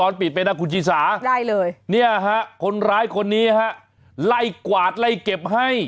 ไล่กวาดไล่เก็บให้